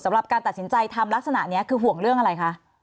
สำหรับการตัดสินใจทำลักษณะนี้คือห่วงเรื่องอะไรคะ